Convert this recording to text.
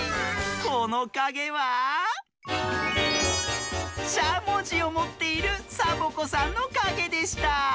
このかげはしゃもじをもっているサボ子さんのかげでした。